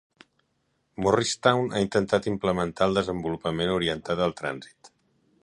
Morristown ha intentat implementar el desenvolupament orientat al trànsit.